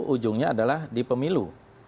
ujungnya adalah di pemilu